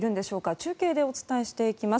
中継でお伝えしていきます。